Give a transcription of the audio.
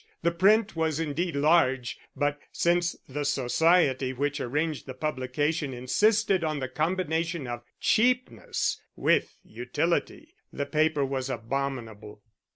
The print was indeed large, but, since the society which arranged the publication insisted on the combination of cheapness with utility, the paper was abominable.